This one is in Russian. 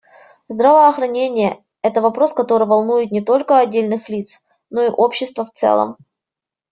Здравоохранение — это вопрос, который волнует не только отдельных лиц, но и общество в целом.